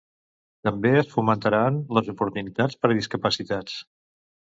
També es fomentaran les oportunitats per a discapacitats.